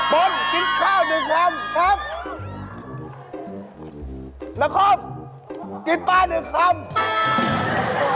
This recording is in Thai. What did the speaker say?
บอดกินข้าวหนึ่งคำครับ